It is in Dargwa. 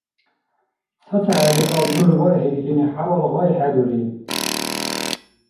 ЦацахӀели абзур бархӀи илини хӀябал гъай хӀедури.